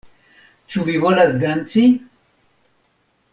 Ĉu vi volas danci?